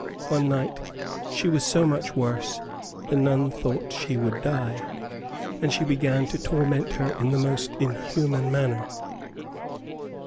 One night she was so much worse, the nun thought she would die, and she began to torment her in the most inhuman manner.